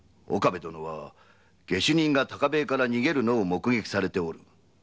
岡部殿は下手人が高塀から逃げるのを目撃されておる。